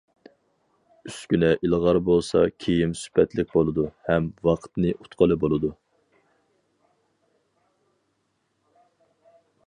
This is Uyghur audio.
ئۈسكۈنە ئىلغار بولسا كىيىم سۈپەتلىك بولىدۇ ھەم ۋاقىتنى ئۇتقىلى بولىدۇ.